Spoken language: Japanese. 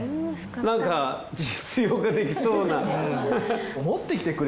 なんか実用化できそうな。